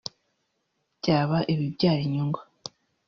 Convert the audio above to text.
byaba ibibyara inyungu